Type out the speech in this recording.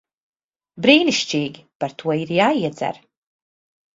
Brīnišķīgi. Par to ir jāiedzer.